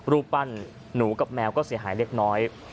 รูปปั้นหนูกับแมวก็เสียหายเล็กน้อย